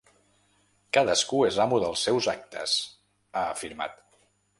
“Cadascú és amo dels seus actes”, ha afirmat.